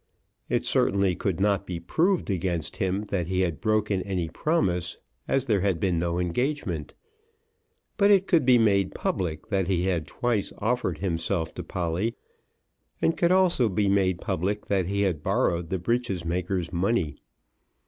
It certainly could not be proved against him that he had broken any promise, as there had been no engagement; but it could be made public that he had twice offered himself to Polly, and could also be made public that he had borrowed the breeches maker's money.